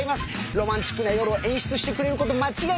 ロマンチックな夜を演出してくれること間違いなし。